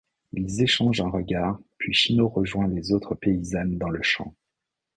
Ils échangent un regard puis Shino rejoint les autres paysannes dans le champ.